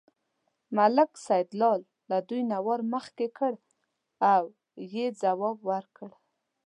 ملک سیدلال له دوی نه وار مخکې کړ او یې ځواب ورکړ.